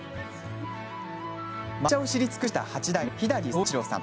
抹茶を知り尽くした８代目・左聡一郎さん。